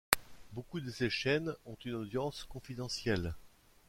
Beaucoup de ces chaînes ont une audience confidentielle.